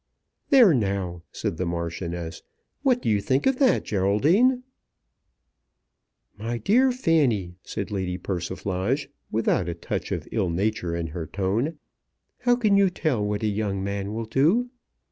"There now," said the Marchioness. "What do you think of that, Geraldine?" "My dear Fanny," said Lady Persiflage, without a touch of ill nature in her tone, "how can you tell what a young man will do?"